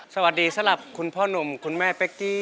สวัสดีสำหรับคุณพ่อหนุ่มคุณแม่เป๊กกี้